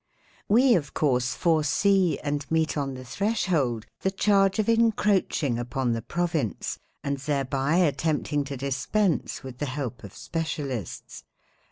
_ We of course foresee and meet on the threshold the charge of encroach 'ing upon the province, and thereby attempting to dispense with the help, of specialists.